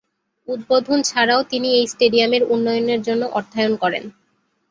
উদ্বোধন ছাড়াও তিনি এই স্টেডিয়ামের উন্নয়নের জন্য অর্থায়ন করেন।